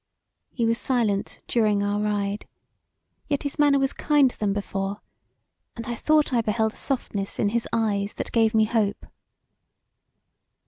He was silent during our ride, yet his manner was kinder than before and I thought I beheld a softness in his eyes that gave me hope.